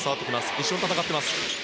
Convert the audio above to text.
一緒に戦っていますね。